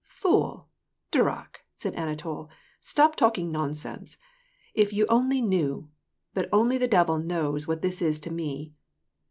" Fool ! durak !" said Anatol, " stop talking nonsense. If you only knew ! But only the devil knows what this is to me!"